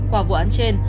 qua vụ án trên